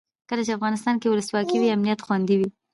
کله چې افغانستان کې ولسواکي وي امنیت خوندي وي.